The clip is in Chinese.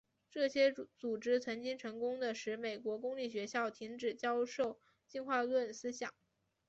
这些组织曾经成功地使美国公立学校停止教授进化论思想。